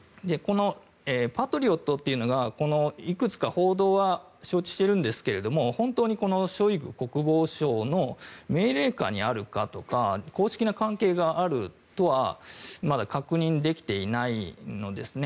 パトリオットというのがいくつか報道は承知してるんですけど本当にショイグ国防相の命令下にあるかとか公式な関係があるとはまだ確認できていないのですね。